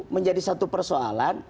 menjadi satu persoalan